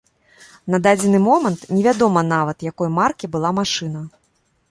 На дадзены момант невядома нават, якой маркі была машына.